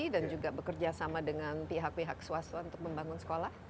dan juga bekerja sama dengan pihak pihak swasta untuk membangun sekolah